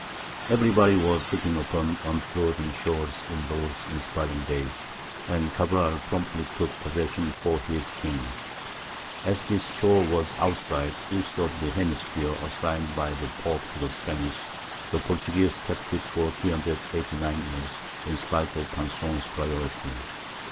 Everybody was hitting upon untrodden shores in those inspiring days, and Cabral promptly took possession for his king. As this shore was outside (east of) the hemisphere assigned by the Pope to the Spanish, the Portuguese kept it for 389 years, in spite of Pinçon's priority.